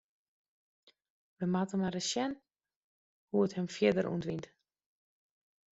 Wy moatte mar ris sjen hoe't it him fierder ûntwynt.